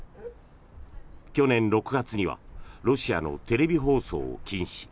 去年６月にはロシアのテレビ放送を禁止。